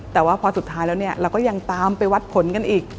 แต่ว่าพอสุดท้ายแล้วเนี่ยเราก็ยังตามไปวัดผลกันอีก